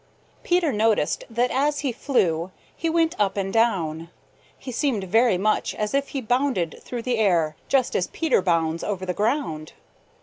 Peter noticed that as he flew he went up and down. It seemed very much as if he bounded through the air just as Peter bounds over the ground.